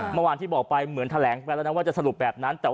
เมื่อเวันที่บอกไปเหมือนแถลงไปแล้วแหละ